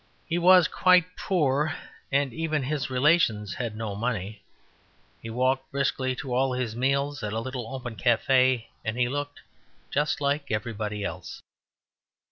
He was quite poor, and even his relations had no money. He walked briskly to all his meals at a little open cafe, and he looked just like everybody else.